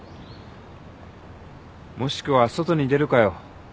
もしくは外に出るかよ。